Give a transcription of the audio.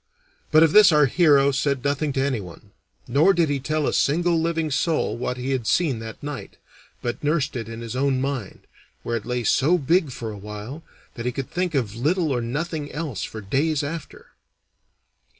But of this our hero said nothing to anyone, nor did he tell a single living soul what he had seen that night, but nursed it in his own mind, where it lay so big for a while that he could think of little or nothing else for days after.